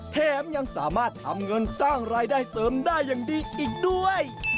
แถมยังสามารถทำเงินสร้างรายได้เสริมได้อย่างดีอีกด้วย